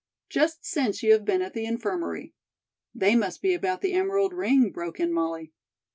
"Just since you have been at the Infirmary." "They must be about the emerald ring," broke in Molly.